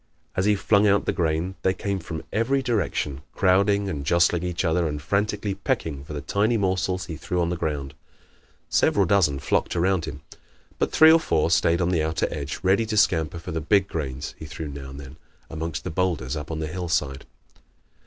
As he flung out the grain they came from every direction, crowding and jostling each other and frantically pecking for the tiny morsels he threw on the ground. Several dozen flocked around him. But three or four stayed on the outer edge, ready to scamper for the big grains he threw now and then amongst the boulders up on the hillside.